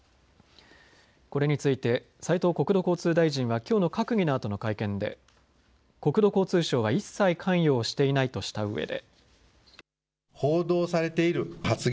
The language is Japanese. これについて斉藤国土交通大臣はきょうの閣議のあとの会見で国土交通省は一切関与をしていないとしたうえで。